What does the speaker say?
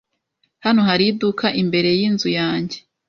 Hano hari iduka imbere yinzu yanjye.